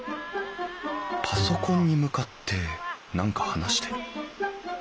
パソコンに向かって何か話してる。